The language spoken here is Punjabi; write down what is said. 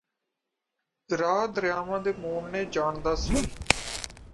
ਰਾਹ ਦਰਿਆਵਾਂ ਦੇ ਮੋੜਨੇ ਜਾਣਦਾ ਸੀ